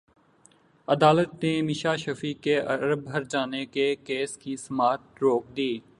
عدالت نے میشا شفیع کے ارب ہرجانے کے کیس کی سماعت روک دی